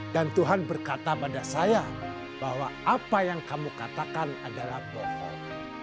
dan tuhan berkata pada saya bahwa apa yang kamu katakan adalah bohong